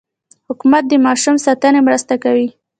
حکومت د ماشوم ساتنې مرسته کوي.